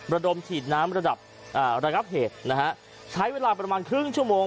ระดมฉีดน้ำระดับอ่าระงับเหตุนะฮะใช้เวลาประมาณครึ่งชั่วโมง